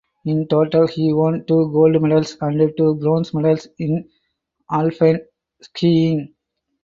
In total he won two gold medals and two bronze medals in alpine skiing.